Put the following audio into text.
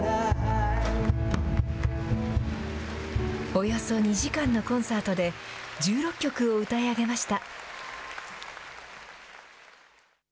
およそ２時間のコンサートで、１６曲を歌い上げました。